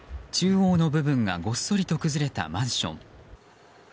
中央の部分がごっそりと崩れたマンション。